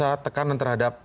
apakah tekanan terhadap